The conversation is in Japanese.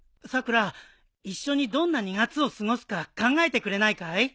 さくら一緒にどんな２月を過ごすか考えてくれないかい？